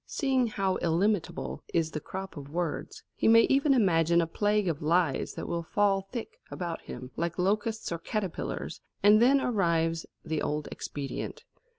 Seeing how illimitable is the crop of words, he may even imagine a plague of lies that will fall thick about him like locusts or caterpillars; and then arrives the old expedient.